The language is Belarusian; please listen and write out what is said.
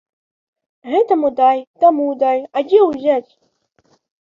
Гэтаму дай, таму дай, а дзе ўзяць?